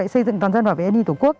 xây dựng toàn dân bảo vệ an ninh tổ quốc